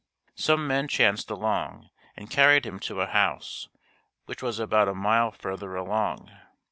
Some men chanced along, and carried him to a house which was about a mile further along.